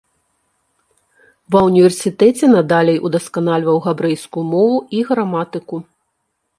Ва ўніверсітэце надалей удасканальваў габрэйскую мову і граматыку.